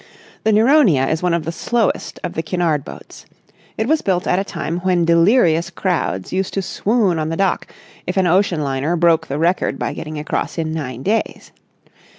The "Nuronia" is one of the slowest of the Cunard boats. It was built at a time when delirious crowds used to swoon on the dock if an ocean liner broke the record by getting across in nine days.